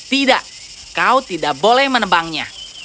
tidak kau tidak boleh menebangnya